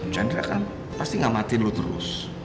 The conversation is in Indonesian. chandra kan pasti ngamatin lu terus